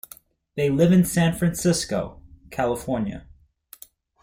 They live in San Francisco, California.